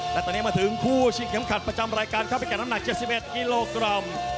และตอนนี้มาถึงคู่ชิงเข็มขัดประจำรายการครับพิกัดน้ำหนัก๗๑กิโลกรัม